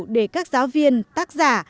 để các giáo viên tác giả